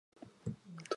とんとんとんとん